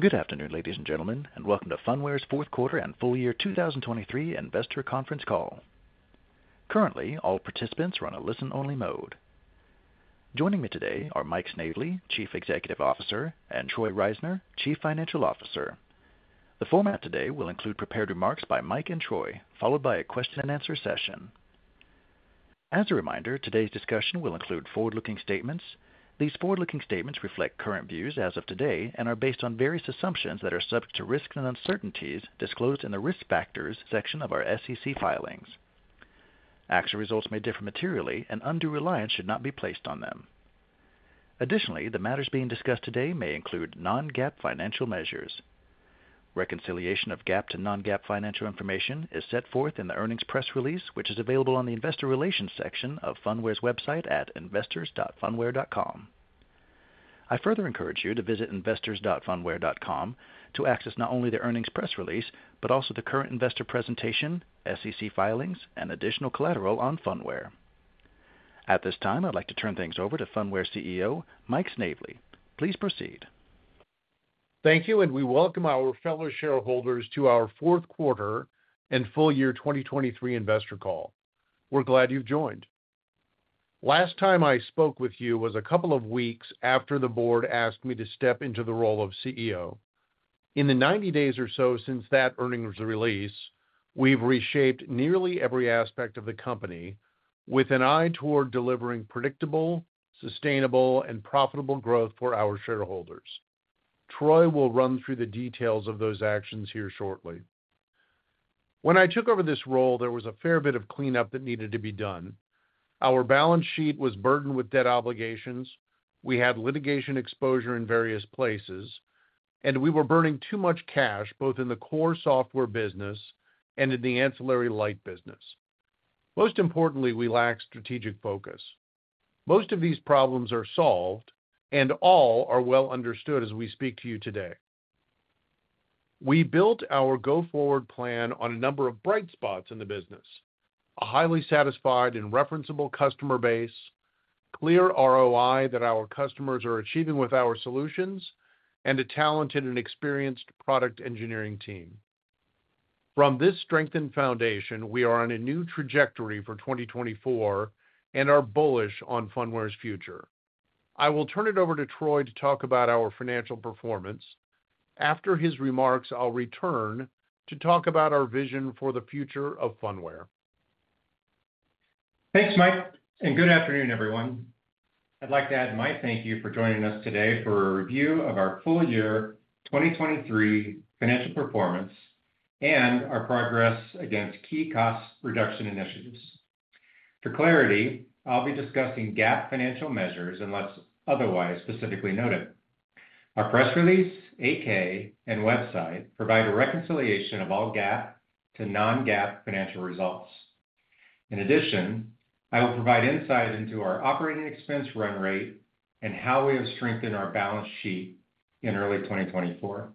Good afternoon, ladies and gentlemen, and welcome to Phunware's fourth quarter and full-year 2023 investor conference call. Currently, all participants are on a listen-only mode. Joining me today are Mike Snavely, Chief Executive Officer, and Troy Reisner, Chief Financial Officer. The format today will include prepared remarks by Mike and Troy, followed by a question-and-answer session. As a reminder, today's discussion will include forward-looking statements. These forward-looking statements reflect current views as of today and are based on various assumptions that are subject to risks and uncertainties disclosed in the Risk Factors section of our SEC filings. Actual results may differ materially, and undue reliance should not be placed on them. Additionally, the matters being discussed today may include non-GAAP financial measures. Reconciliation of GAAP to non-GAAP financial information is set forth in the earnings press release, which is available on the Investor Relations section of Phunware's website at investors.phunware.com. I further encourage you to visit investors.phunware.com to access not only the earnings press release, but also the current investor presentation, SEC filings, and additional collateral on Phunware. At this time, I'd like to turn things over to Phunware's CEO, Mike Snavely. Please proceed. Thank you, and we welcome our fellow shareholders to our fourth quarter and full-year 2023 investor call. We're glad you've joined. Last time I spoke with you was a couple of weeks after the board asked me to step into the role of CEO. In the 90 days or so since that earnings release, we've reshaped nearly every aspect of the company with an eye toward delivering predictable, sustainable, and profitable growth for our shareholders. Troy will run through the details of those actions here shortly. When I took over this role, there was a fair bit of cleanup that needed to be done. Our balance sheet was burdened with debt obligations, we had litigation exposure in various places, and we were burning too much cash, both in the core software business and in the ancillary Lyte business. Most importantly, we lacked strategic focus. Most of these problems are solved, and all are well understood as we speak to you today. We built our go-forward plan on a number of bright spots in the business: a highly satisfied and referenceable customer base, clear ROI that our customers are achieving with our solutions, and a talented and experienced product engineering team. From this strengthened foundation, we are on a new trajectory for 2024 and are bullish on Phunware's future. I will turn it over to Troy to talk about our financial performance. After his remarks, I'll return to talk about our vision for the future of Phunware. Thanks, Mike, and good afternoon, everyone. I'd like to add my thank you for joining us today for a review of our full-year 2023 financial performance and our progress against key cost reduction initiatives. For clarity, I'll be discussing GAAP financial measures, unless otherwise specifically noted. Our press release, 8-K, and website provide a reconciliation of all GAAP to non-GAAP financial results. In addition, I will provide insight into our operating expense run rate and how we have strengthened our balance sheet in early 2024.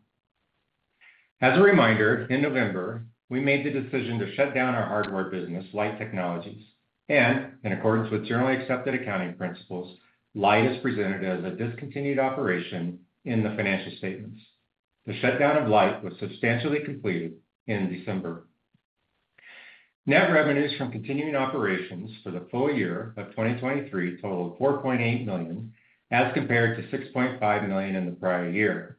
As a reminder, in November, we made the decision to shut down our hardware business, Lyte Technologies, and in accordance with Generally Accepted Accounting Principles, Lyte is presented as a discontinued operation in the financial statements. The shutdown of Lyte was substantially completed in December. Net revenues from continuing operations for the full-year of 2023 totaled $4.8 million, as compared to $6.5 million in the prior-year.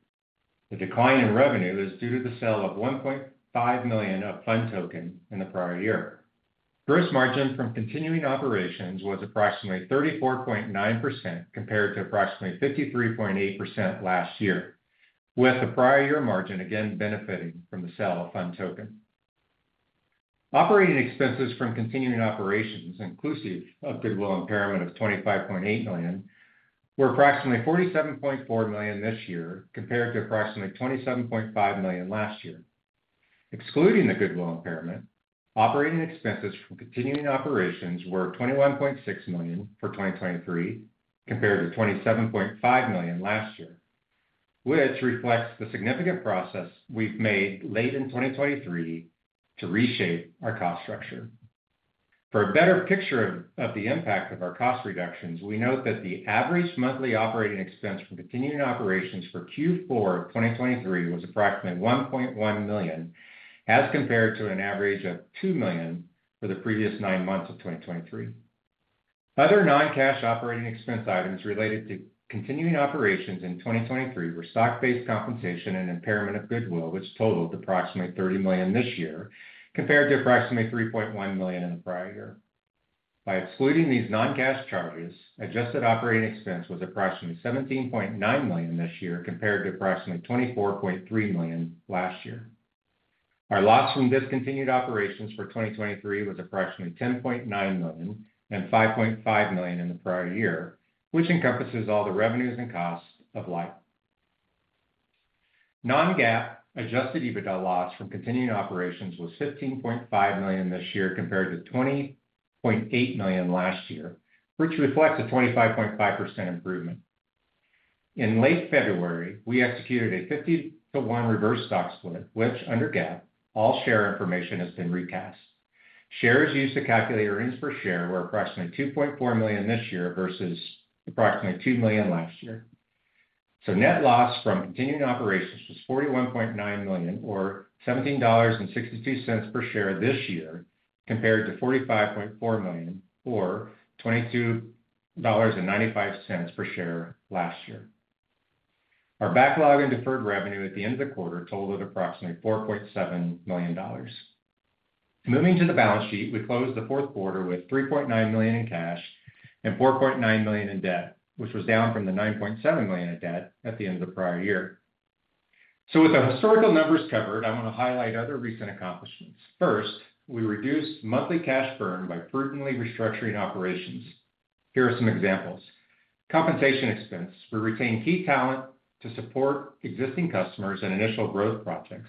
The decline in revenue is due to the sale of $1.5 million of PhunToken in the prior-year. Gross margin from continuing operations was approximately 34.9%, compared to approximately 53.8% last year, with the prior-year margin again benefiting from the sale of PhunToken. Operating expenses from continuing operations, inclusive of goodwill impairment of $25.8 million, were approximately $47.4 million this year, compared to approximately $27.5 million last year. Excluding the goodwill impairment, operating expenses from continuing operations were $21.6 million for 2023, compared to $27.5 million last year, which reflects the significant progress we've made late in 2023 to reshape our cost structure. For a better picture of the impact of our cost reductions, we note that the average monthly operating expense from continuing operations for Q4 2023 was approximately $1.1 million, as compared to an average of $2 million for the previous nine months of 2023. Other non-cash operating expense items related to continuing operations in 2023 were stock-based compensation and impairment of goodwill, which totaled approximately $30 million this year, compared to approximately $3.1 million in the prior-year. By excluding these non-cash charges, adjusted operating expense was approximately $17.9 million this year, compared to approximately $24.3 million last year. Our loss from discontinued operations for 2023 was approximately $10.9 million and $5.5 million in the prior-year, which encompasses all the revenues and costs of Lyte. Non-GAAP Adjusted EBITDA loss from continuing operations was $15.5 million this year, compared to $20.8 million last year, which reflects a 25.5% improvement. In late February, we executed a 50-to-1 reverse stock split, which under GAAP, all share information has been recast. Shares used to calculate earnings per share were approximately 2.4 million this year versus approximately 2 million last year. So net loss from continuing operations was $41.9 million, or $17.62 per share this year, compared to $45.4 million, or $22.95 per share last year. Our backlog in deferred revenue at the end of the quarter totaled approximately $4.7 million. Moving to the balance sheet, we closed the fourth quarter with $3.9 million in cash and $4.9 million in debt, which was down from the $9.7 million in debt at the end of the prior-year. So with the historical numbers covered, I want to highlight other recent accomplishments. First, we reduced monthly cash burn by prudently restructuring operations. Here are some examples. Compensation expense. We retained key talent to support existing customers and initial growth projects,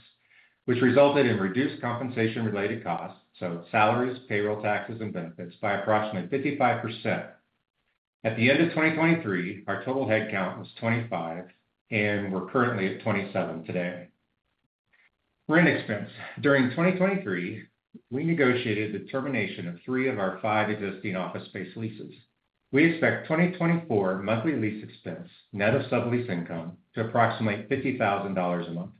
which resulted in reduced compensation-related costs, so salaries, payroll taxes, and benefits, by approximately 55%. At the end of 2023, our total headcount was 25, and we're currently at 27 today. Rent expense. During 2023, we negotiated the termination of three of our five existing office space leases. We expect 2024 monthly lease expense, net of sublease income, to approximately $50,000 a month.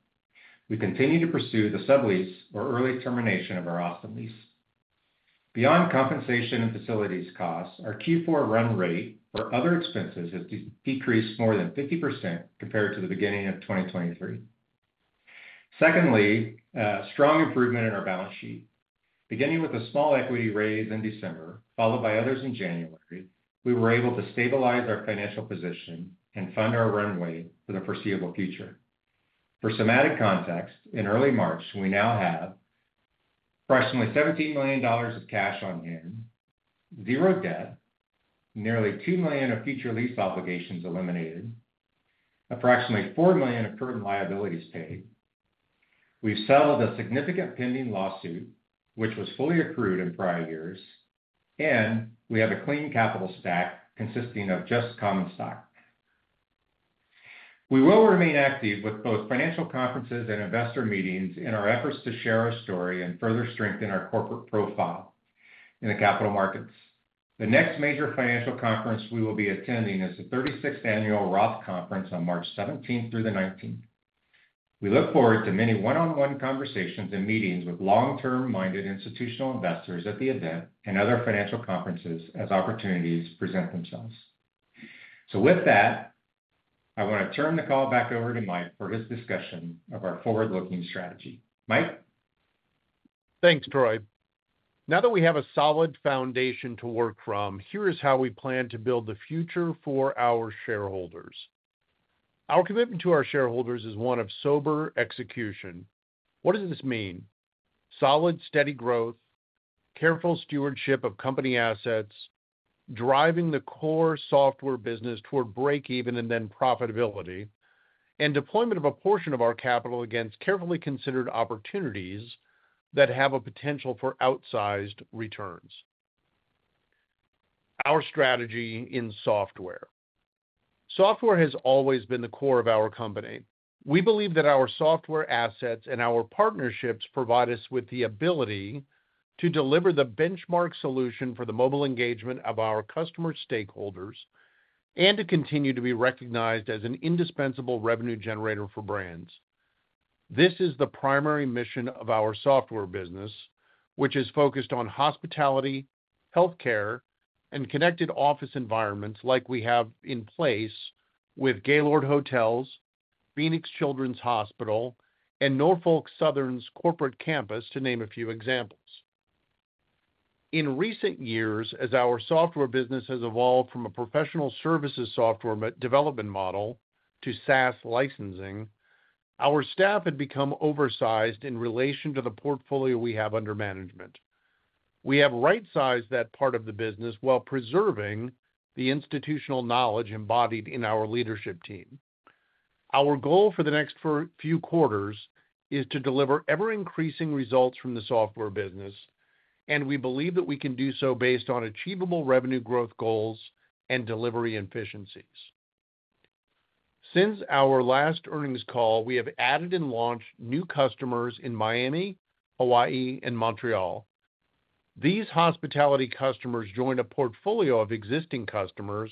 We continue to pursue the sublease or early termination of our Austin lease. Beyond compensation and facilities costs, our Q4 run rate for other expenses has decreased more than 50% compared to the beginning of 2023. Secondly, strong improvement in our balance sheet. Beginning with a small equity raise in December, followed by others in January, we were able to stabilize our financial position and fund our runway for the foreseeable future. For some context, in early March, we now have approximately $17 million of cash on hand, 0 debt, nearly $2 million of future lease obligations eliminated, approximately $4 million of current liabilities paid. We've settled a significant pending lawsuit, which was fully accrued in prior-years, and we have a clean capital stack consisting of just common stock. We will remain active with both financial conferences and investor meetings in our efforts to share our story and further strengthen our corporate profile in the capital markets. The next major financial conference we will be attending is the 36th Annual Roth Conference on March 17 through the 19th. We look forward to many one-on-one conversations and meetings with long-term-minded institutional investors at the event and other financial conferences as opportunities present themselves. So with that, I want to turn the call back over to Mike for his discussion of our forward-looking strategy. Mike? Thanks, Troy. Now that we have a solid foundation to work from, here is how we plan to build the future for our shareholders. Our commitment to our shareholders is one of sober execution. What does this mean? Solid, steady growth, careful stewardship of company assets, driving the core software business toward breakeven and then profitability, and deployment of a portion of our capital against carefully considered opportunities that have a potential for outsized returns. Our strategy in software. Software has always been the core of our company. We believe that our software assets and our partnerships provide us with the ability to deliver the benchmark solution for the mobile engagement of our customer stakeholders, and to continue to be recognized as an indispensable revenue generator for brands. This is the primary mission of our software business, which is focused on hospitality, healthcare, and connected office environments like we have in place with Gaylord Hotels, Phoenix Children's Hospital, and Norfolk Southern's corporate campus, to name a few examples. In recent years, as our software business has evolved from a professional services software development model to SaaS licensing, our staff had become oversized in relation to the portfolio we have under management. We have right-sized that part of the business while preserving the institutional knowledge embodied in our leadership team. Our goal for the next few quarters is to deliver ever-increasing results from the software business, and we believe that we can do so based on achievable revenue growth goals and delivery efficiencies. Since our last earnings call, we have added and launched new customers in Miami, Hawaii, and Montreal. These hospitality customers join a portfolio of existing customers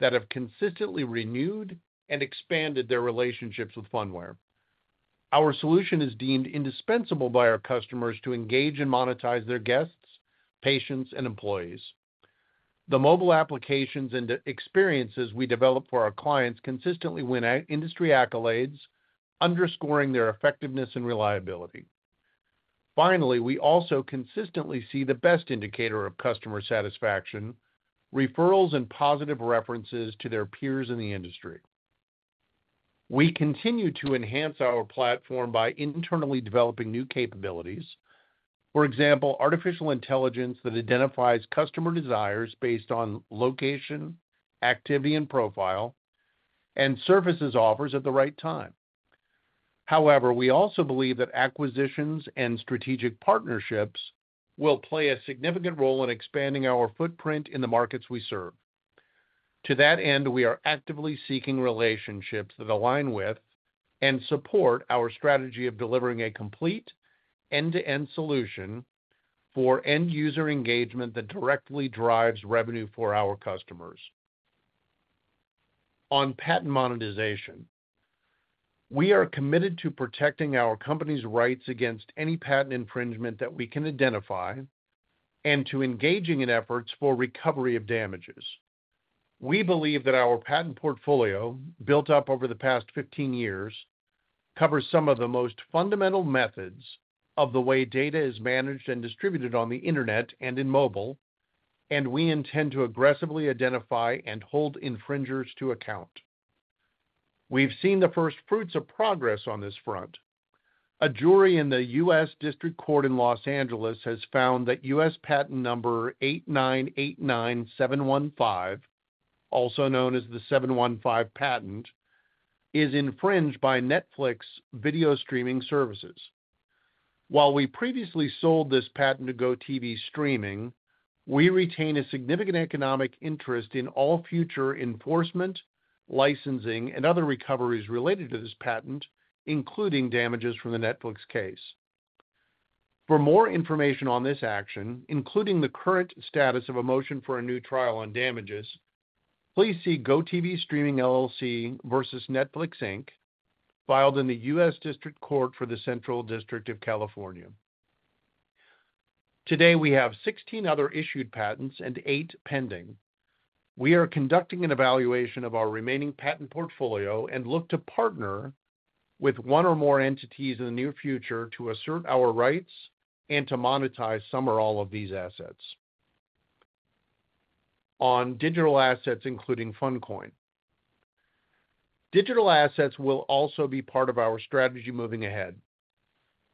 that have consistently renewed and expanded their relationships with Phunware. Our solution is deemed indispensable by our customers to engage and monetize their guests, patients, and employees. The mobile applications and e-experiences we develop for our clients consistently win industry accolades, underscoring their effectiveness and reliability. Finally, we also consistently see the best indicator of customer satisfaction, referrals and positive references to their peers in the industry. We continue to enhance our platform by internally developing new capabilities. For example, artificial intelligence that identifies customer desires based on location, activity, and profile, and serves offers at the right time. However, we also believe that acquisitions and strategic partnerships will play a significant role in expanding our footprint in the markets we serve. To that end, we are actively seeking relationships that align with and support our strategy of delivering a complete end-to-end solution for end user engagement that directly drives revenue for our customers. On patent monetization, we are committed to protecting our company's rights against any patent infringement that we can identify and to engaging in efforts for recovery of damages. We believe that our patent portfolio, built up over the past 15 years, covers some of the most fundamental methods of the way data is managed and distributed on the internet and in mobile, and we intend to aggressively identify and hold infringers to account. We've seen the first fruits of progress on this front. A jury in the U.S. District Court in Los Angeles has found that U.S. Patent number 8,989,715, also known as the 715 patent, is infringed by Netflix video streaming services. While we previously sold this patent to GoTV Streaming, we retain a significant economic interest in all future enforcement, licensing, and other recoveries related to this patent, including damages from the Netflix case. For more information on this action, including the current status of a motion for a new trial on damages, please see GoTV Streaming, LLC versus Netflix, Inc., filed in the U.S. District Court for the Central District of California. Today, we have 16 other issued patents and eight pending. We are conducting an evaluation of our remaining patent portfolio and look to partner with one or more entities in the near future to assert our rights and to monetize some or all of these assets. On digital assets, including PhunCoin. Digital assets will also be part of our strategy moving ahead.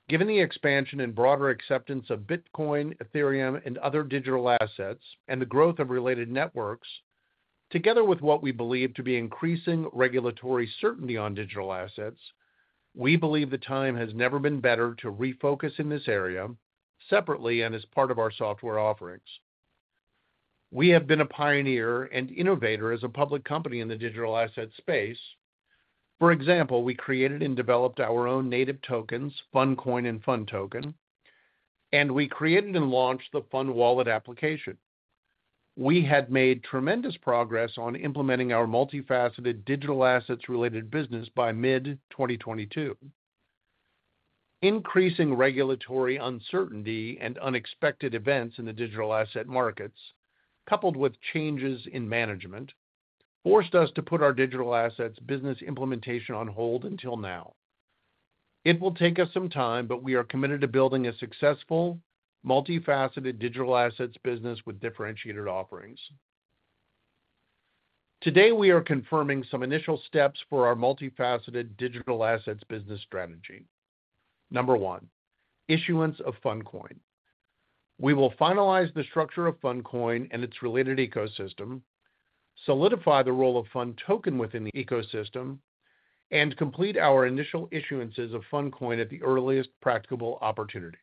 Given the expansion and broader acceptance of Bitcoin, Ethereum, and other digital assets, and the growth of related networks, together with what we believe to be increasing regulatory certainty on digital assets, we believe the time has never been better to refocus in this area, separately and as part of our software offerings. We have been a pioneer and innovator as a public company in the digital asset space. For example, we created and developed our own native tokens, PhunCoin and PhunToken, and we created and launched the PhunWallet application. We had made tremendous progress on implementing our multifaceted digital assets-related business by mid-2022. Increasing regulatory uncertainty and unexpected events in the digital asset markets, coupled with changes in management, forced us to put our digital assets business implementation on hold until now. It will take us some time, but we are committed to building a successful, multifaceted digital assets business with differentiated offerings. Today, we are confirming some initial steps for our multifaceted digital assets business strategy. Number one, issuance of PhunCoin. We will finalize the structure of PhunCoin and its related ecosystem, solidify the role of PhunToken within the ecosystem, and complete our initial issuances of PhunCoin at the earliest practicable opportunity.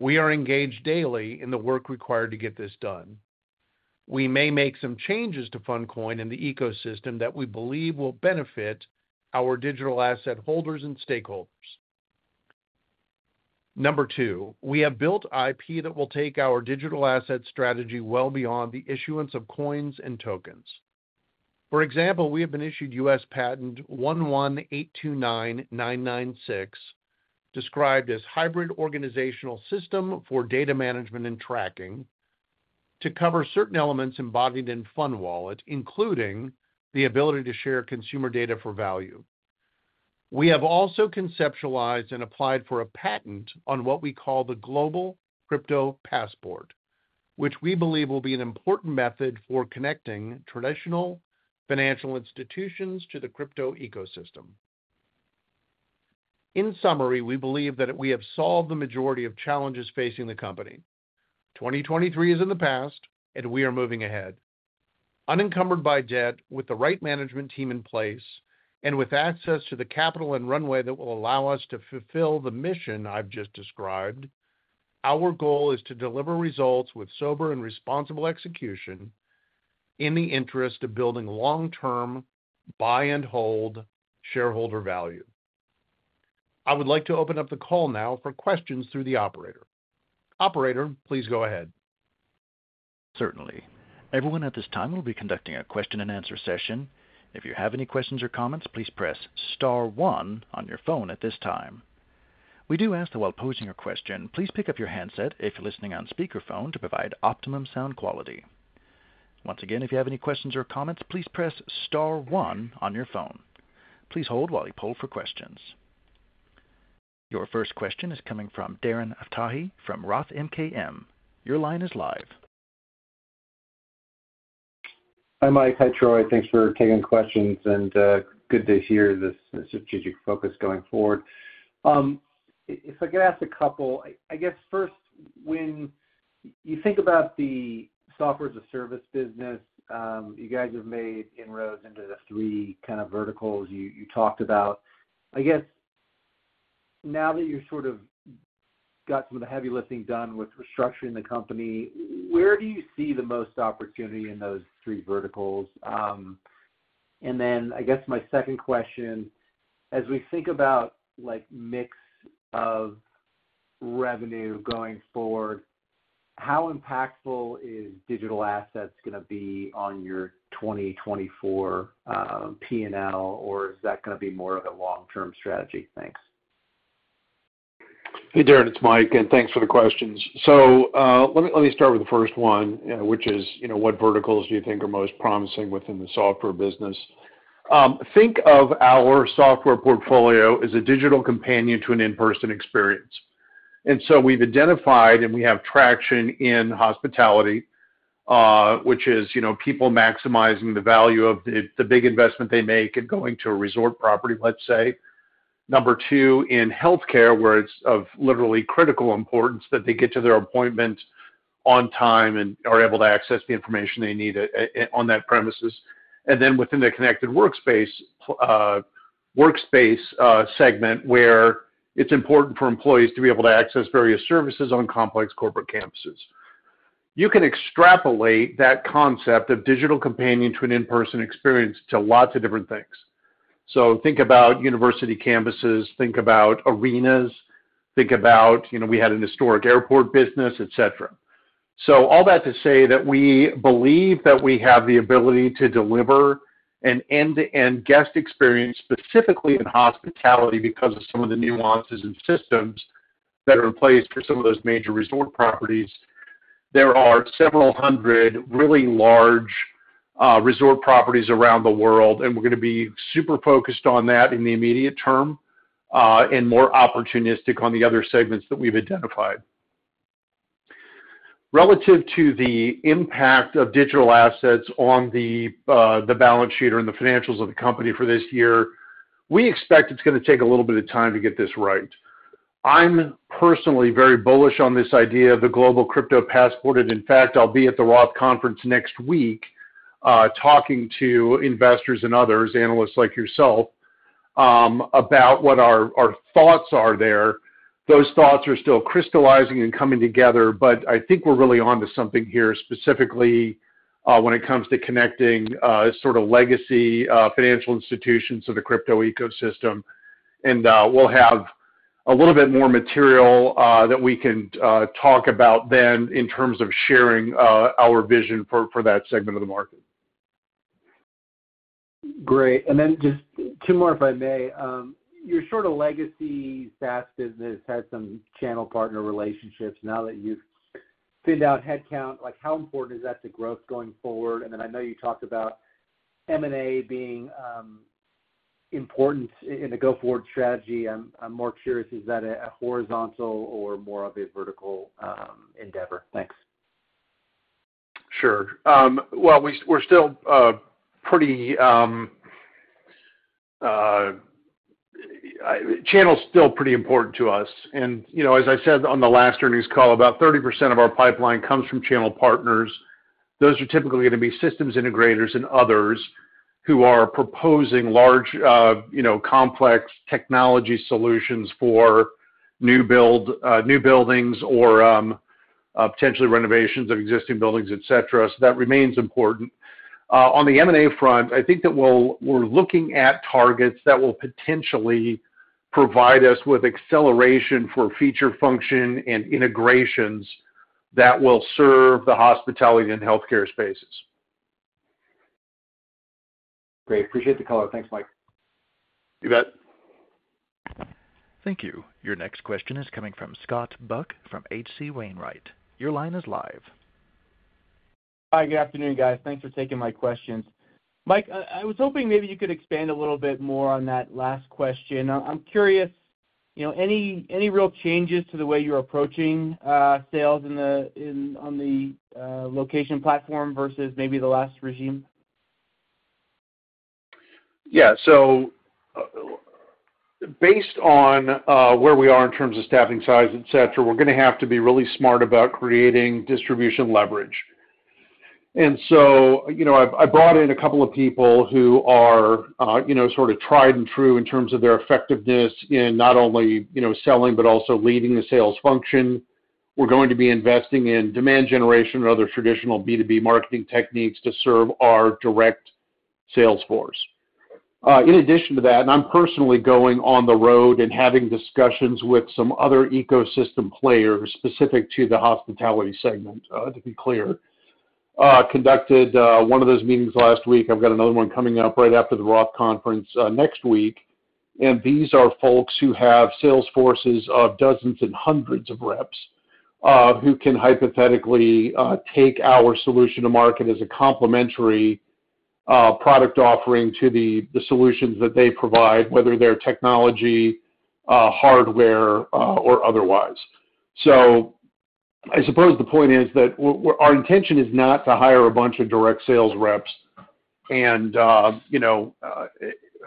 We are engaged daily in the work required to get this done. We may make some changes to PhunCoin in the ecosystem that we believe will benefit our digital asset holders and stakeholders. Number two, we have built IP that will take our digital asset strategy well beyond the issuance of coins and tokens. For example, we have been issued U.S. Patent 11,829,996, described as hybrid organizational system for data management and tracking, to cover certain elements embodied in PhunWallet, including the ability to share consumer data for value. We have also conceptualized and applied for a patent on what we call the Global Crypto Passport, which we believe will be an important method for connecting traditional financial institutions to the crypto ecosystem. In summary, we believe that we have solved the majority of challenges facing the company. 2023 is in the past, and we are moving ahead. Unencumbered by debt, with the right management team in place, and with access to the capital and runway that will allow us to fulfill the mission I've just described, our goal is to deliver results with sober and responsible execution in the interest of building long-term, buy and hold shareholder value. I would like to open up the call now for questions through the operator. Operator, please go ahead. Certainly. Everyone at this time will be conducting a question-and-answer session. If you have any questions or comments, please press star one on your phone at this time. We do ask that while posing your question, please pick up your handset if you're listening on speakerphone to provide optimum sound quality. Once again, if you have any questions or comments, please press star one on your phone. Please hold while we poll for questions. Your first question is coming from Darren Aftahi from Roth MKM. Your line is live. Hi, Mike. Hi, Troy. Thanks for taking questions, and good to hear this strategic focus going forward. If I could ask a couple, I guess first, when you think about the Software-as-a-Service business, you guys have made inroads into the three kind of verticals you talked about. I guess now that you've sort of got some of the heavy lifting done with restructuring the company, where do you see the most opportunity in those three verticals? And then I guess my second question, as we think about, like, mix of revenue going forward, how impactful is digital assets gonna be on your 2024 P&L, or is that gonna be more of a long-term strategy? Thanks. Hey, Darren, it's Mike, and thanks for the questions. So, let me, let me start with the first one, which is, you know, what verticals do you think are most promising within the software business? Think of our software portfolio as a digital companion to an in-person experience. And so we've identified, and we have traction in hospitality, which is, you know, people maximizing the value of the, the big investment they make in going to a resort property, let's say. Number two, in healthcare, where it's of literally critical importance that they get to their appointment on time and are able to access the information they need, on that premises. And then within the connected workspace segment, where it's important for employees to be able to access various services on complex corporate campuses. You can extrapolate that concept of digital companion to an in-person experience to lots of different things. So think about university campuses, think about arenas, think about, you know, we had an historic airport business, et cetera. So all that to say that we believe that we have the ability to deliver an end-to-end guest experience, specifically in hospitality, because of some of the nuances and systems that are in place for some of those major resort properties. There are several hundred really large, resort properties around the world, and we're gonna be super focused on that in the immediate term, and more opportunistic on the other segments that we've identified. Relative to the impact of digital assets on the, the balance sheet or in the financials of the company for this year, we expect it's gonna take a little bit of time to get this right. I'm personally very bullish on this idea of the Global Crypto Passport, and in fact, I'll be at the Roth Conference next week, talking to investors and others, analysts like yourself, about what our thoughts are there. Those thoughts are still crystallizing and coming together, but I think we're really onto something here, specifically, when it comes to connecting sort of legacy financial institutions to the crypto ecosystem. We'll have a little bit more material that we can talk about then in terms of sharing our vision for that segment of the market. Great. And then just two more, if I may. Your sort of legacy SaaS business has some channel partner relationships. Now that you've thinned out headcount, like, how important is that to growth going forward? And then I know you talked about M&A being important in the go-forward strategy. I'm more curious, is that a horizontal or more of a vertical endeavor? Thanks. Sure. Well, we're still pretty... Channel's still pretty important to us, and, you know, as I said on the last earnings call, about 30% of our pipeline comes from channel partners. Those are typically going to be systems integrators and others who are proposing large, you know, complex technology solutions for new build, new buildings or, potentially renovations of existing buildings, et cetera. So that remains important. On the M&A front, I think that we're looking at targets that will potentially provide us with acceleration for feature function and integrations that will serve the hospitality and healthcare spaces. Great. Appreciate the color. Thanks, Mike. You bet. Thank you. Your next question is coming from Scott Buck from H.C. Wainwright. Your line is live. Hi, good afternoon, guys. Thanks for taking my questions. Mike, I was hoping maybe you could expand a little bit more on that last question. I'm curious, you know, any real changes to the way you're approaching sales in the—in, on the location platform versus maybe the last regime? Yeah, so, based on where we are in terms of staffing size, et cetera, we're gonna have to be really smart about creating distribution leverage. And so, you know, I brought in a couple of people who are, you know, sort of tried and true in terms of their effectiveness in not only, you know, selling, but also leading the sales function. We're going to be investing in demand generation and other traditional B2B marketing techniques to serve our direct sales force. In addition to that, and I'm personally going on the road and having discussions with some other ecosystem players, specific to the hospitality segment, to be clear, conducted one of those meetings last week. I've got another one coming up right after the Roth Conference, next week, and these are folks who have sales forces of dozens and hundreds of reps, who can hypothetically take our solution to market as a complementary product offering to the solutions that they provide, whether they're technology, hardware, or otherwise. So I suppose the point is that our intention is not to hire a bunch of direct sales reps and, you know,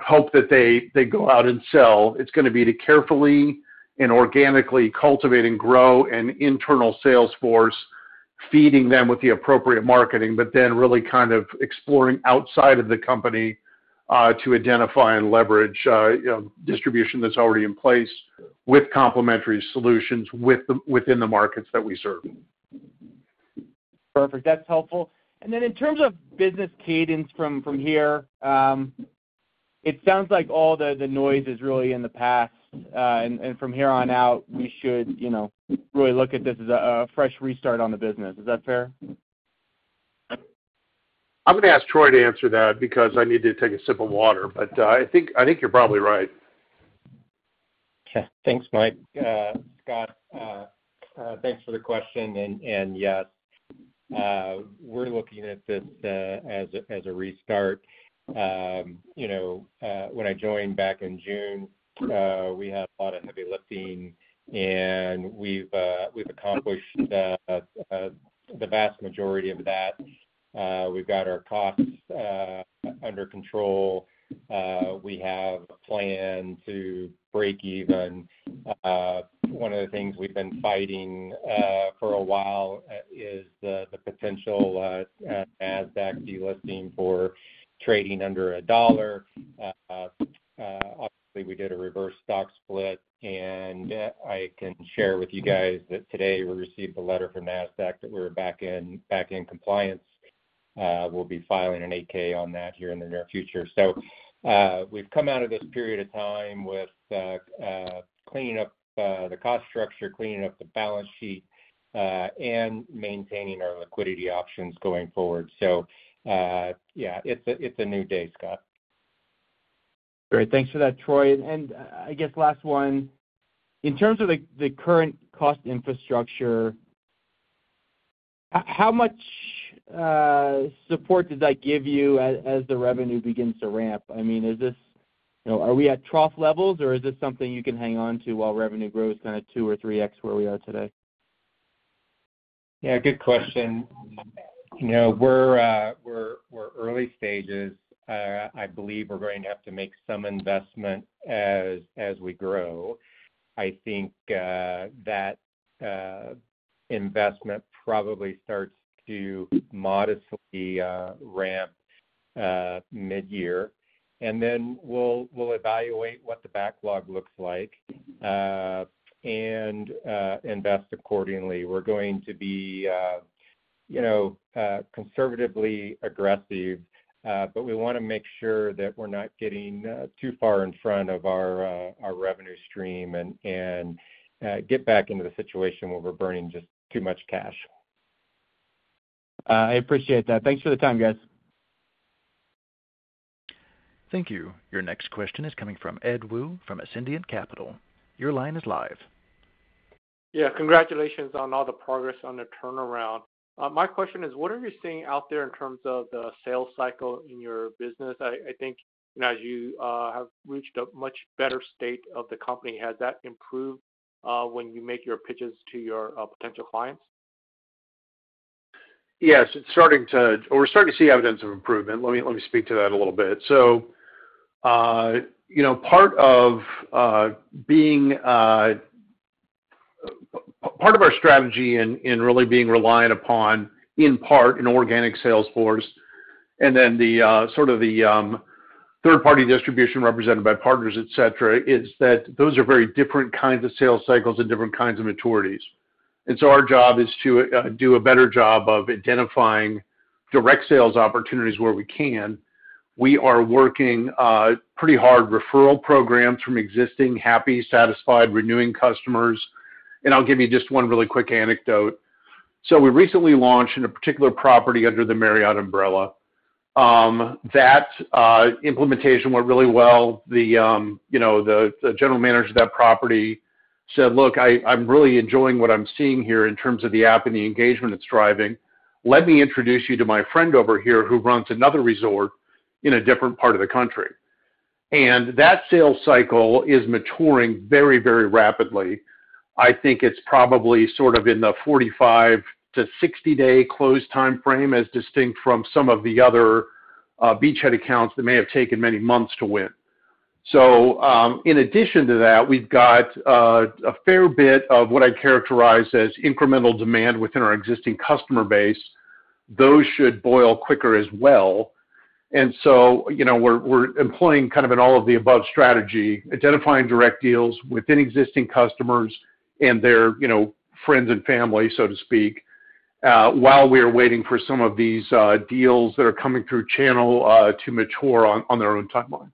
hope that they go out and sell. It's gonna be to carefully and organically cultivate and grow an internal sales force feeding them with the appropriate marketing, but then really kind of exploring outside of the company, to identify and leverage, you know, distribution that's already in place with complementary solutions within the markets that we serve. Perfect. That's helpful. And then in terms of business cadence from here, it sounds like all the noise is really in the past, and from here on out, we should, you know, really look at this as a fresh restart on the business. Is that fair? I'm gonna ask Troy to answer that because I need to take a sip of water, but I think, I think you're probably right. Yeah. Thanks, Mike. Scott, thanks for the question. And, yes, we're looking at this as a restart. You know, when I joined back in June, we had a lot of heavy lifting, and we've accomplished the vast majority of that. We've got our costs under control. We have a plan to break even. One of the things we've been fighting for a while is the potential NASDAQ delisting for trading under a dollar. Obviously, we did a reverse stock split, and I can share with you guys that today we received a letter from NASDAQ that we're back in compliance. We'll be filing an 8-K on that here in the near future. So, we've come out of this period of time with cleaning up the cost structure, cleaning up the balance sheet, and maintaining our liquidity options going forward. So, yeah, it's a, it's a new day, Scott. Great. Thanks for that, Troy. I guess last one: in terms of the current cost infrastructure, how much support does that give you as the revenue begins to ramp? I mean, is this... You know, are we at trough levels, or is this something you can hang on to while revenue grows kind of 2x or 3x where we are today? Yeah, good question. You know, we're early stages. I believe we're going to have to make some investment as we grow. I think that investment probably starts to modestly ramp mid-year, and then we'll evaluate what the backlog looks like and invest accordingly. We're going to be, you know, conservatively aggressive, but we wanna make sure that we're not getting too far in front of our revenue stream and get back into the situation where we're burning just too much cash. I appreciate that. Thanks for the time, guys. Thank you. Your next question is coming from Ed Woo from Ascendiant Capital. Your line is live. Yeah. Congratulations on all the progress on the turnaround. My question is, what are you seeing out there in terms of the sales cycle in your business? I think, you know, as you have reached a much better state of the company, has that improved, when you make your pitches to your potential clients? Yes, it's starting to or we're starting to see evidence of improvement. Let me speak to that a little bit. So, you know, part of being part of our strategy in really being reliant upon, in part, an organic sales force and then the sort of the third-party distribution represented by partners, et cetera, is that those are very different kinds of sales cycles and different kinds of maturities. And so our job is to do a better job of identifying direct sales opportunities where we can. We are working pretty hard referral programs from existing, happy, satisfied, renewing customers, and I'll give you just one really quick anecdote. So we recently launched in a particular property under the Marriott umbrella. That implementation went really well. You know, the general manager of that property said: Look, I'm really enjoying what I'm seeing here in terms of the app and the engagement it's driving. Let me introduce you to my friend over here who runs another resort in a different part of the country. And that sales cycle is maturing very, very rapidly. I think it's probably sort of in the 45- to 60-day close timeframe, as distinct from some of the other beachhead accounts that may have taken many months to win. So, in addition to that, we've got a fair bit of what I'd characterize as incremental demand within our existing customer base. Those should boil quicker as well. And so, you know, we're employing kind of an all-of-the-above strategy, identifying direct deals within existing customers and their, you know, friends and family, so to speak, while we are waiting for some of these deals that are coming through channel to mature on their own timeline.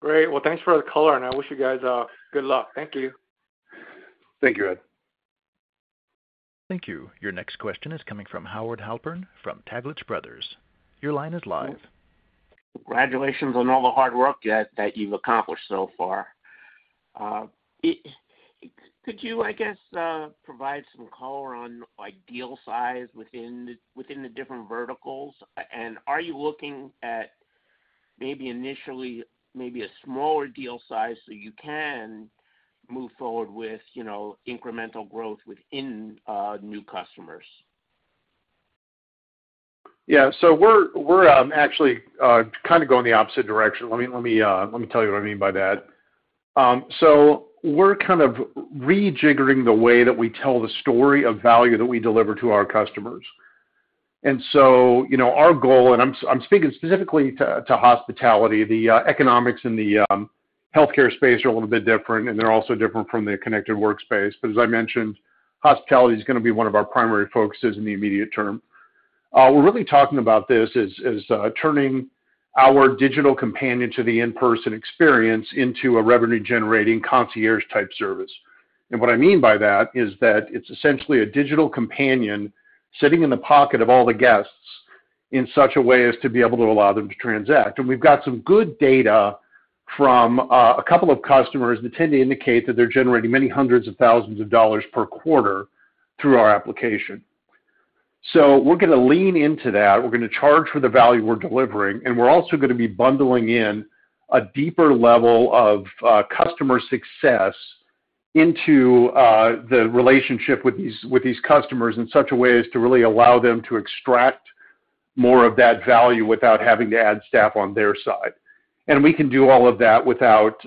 Great. Well, thanks for the color, and I wish you guys good luck. Thank you. Thank you, Ed. Thank you. Your next question is coming from Howard Halpern from Taglich Brothers. Your line is live. Congratulations on all the hard work that you've accomplished so far. Could you, I guess, provide some color on, like, deal size within the different verticals? And are you looking at maybe initially, maybe a smaller deal size so you can move forward with, you know, incremental growth within new customers?... Yeah, so we're actually kind of going the opposite direction. Let me tell you what I mean by that. So we're kind of rejiggering the way that we tell the story of value that we deliver to our customers. And so, you know, our goal, and I'm speaking specifically to hospitality, the economics and the healthcare space are a little bit different, and they're also different from the connected workspace. But as I mentioned, hospitality is gonna be one of our primary focuses in the immediate term. We're really talking about this as turning our digital companion to the in-person experience into a revenue-generating concierge-type service. And what I mean by that is that it's essentially a digital companion sitting in the pocket of all the guests in such a way as to be able to allow them to transact. And we've got some good data from a couple of customers that tend to indicate that they're generating many hundreds of thousands of dollars per quarter through our application. So we're gonna lean into that. We're gonna charge for the value we're delivering, and we're also gonna be bundling in a deeper level of customer success into the relationship with these, with these customers in such a way as to really allow them to extract more of that value without having to add staff on their side. And we can do all of that without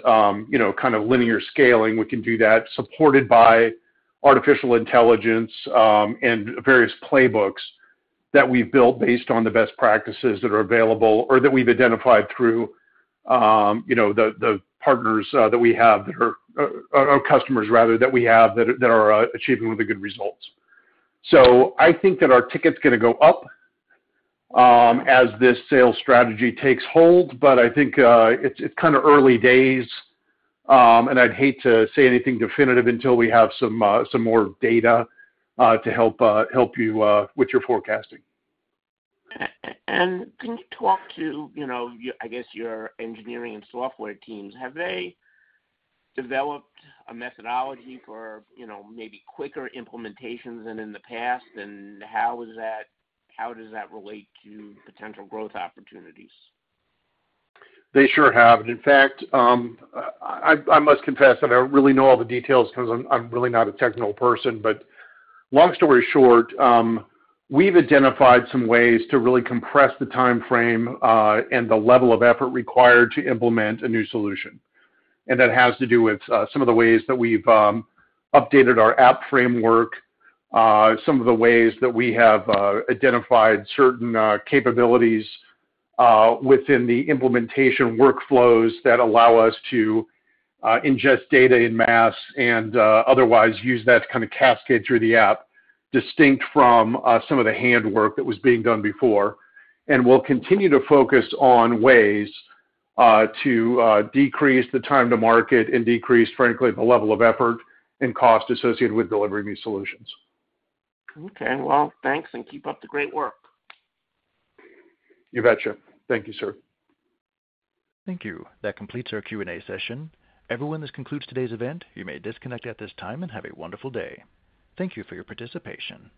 you know, kind of linear scaling. We can do that supported by artificial intelligence, and various playbooks that we've built based on the best practices that are available or that we've identified through, you know, the partners that we have that are or customers, rather, that we have that are achieving with the good results. So I think that our ticker's gonna go up, as this sales strategy takes hold, but I think it's kind of early days, and I'd hate to say anything definitive until we have some more data to help you with your forecasting. And can you talk to, you know, I guess, your engineering and software teams? Have they developed a methodology for, you know, maybe quicker implementations than in the past? And how is that, how does that relate to potential growth opportunities? They sure have. And in fact, I must confess that I don't really know all the details 'cause I'm really not a technical person. But long story short, we've identified some ways to really compress the timeframe, and the level of effort required to implement a new solution. And that has to do with some of the ways that we've updated our app framework, some of the ways that we have identified certain capabilities within the implementation workflows that allow us to ingest data en masse, and otherwise use that to kind of cascade through the app, distinct from some of the handwork that was being done before. We'll continue to focus on ways to decrease the time to market and decrease, frankly, the level of effort and cost associated with delivering these solutions. Okay. Well, thanks, and keep up the great work. You betcha. Thank you, sir. Thank you. That completes our Q&A session. Everyone, this concludes today's event. You may disconnect at this time and have a wonderful day. Thank you for your participation.